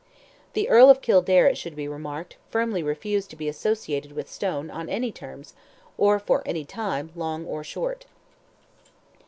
The Earl of Kildare, it should be remarked, firmly refused to be associated with Stone, on any terms, or for any time, long or short.